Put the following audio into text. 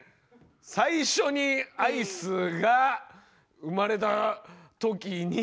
最初にアイスが生まれた時に。